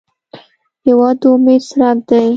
هېواد د امید څرک دی.